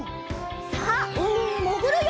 さあうみにもぐるよ！